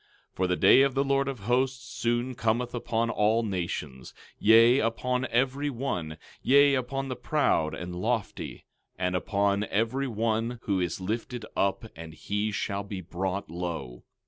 12:12 For the day of the Lord of Hosts soon cometh upon all nations, yea, upon every one; yea, upon the proud and lofty, and upon every one who is lifted up, and he shall be brought low.